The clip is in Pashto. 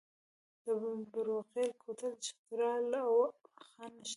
د بروغیل کوتل چترال او واخان نښلوي